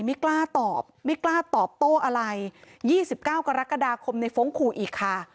ไม่กล้าตอบไม่กล้าตอบโต้อะไร๒๙กรกฎาคมในฟ้องขู่อีกค่ะ